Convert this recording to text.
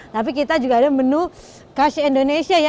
tapi kita juga ada menu khas indonesia ya